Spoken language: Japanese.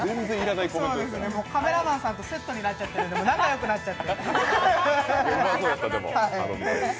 カメラマンさんとセットになっちゃって仲よくなっちゃって。